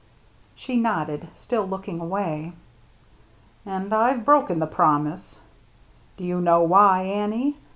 She nodded, still looking away. "And I've broken the promise. Do you know why, Annie?